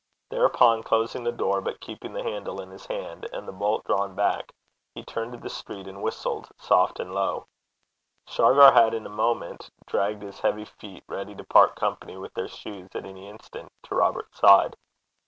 Thereupon, closing the door, but keeping the handle in his hand, and the bolt drawn back, he turned to the street and whistled soft and low. Shargar had, in a moment, dragged his heavy feet, ready to part company with their shoes at any instant, to Robert's side.